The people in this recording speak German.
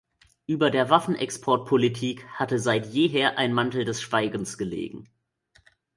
Über der Waffenexportpolitik hatte seit jeher ein Mantel des Schweigens gelegen.